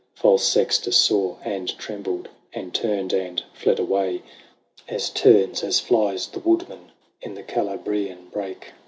False Sextus saw, and trembled. And turned, and fled away. As turns, as flies, the woodman In the Calabrian brake.